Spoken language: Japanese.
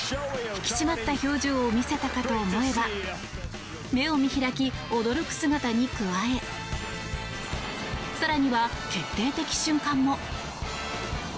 引き締まった表情を見せたかと思えば目を見開き、驚く姿に加え更には決定的瞬間も。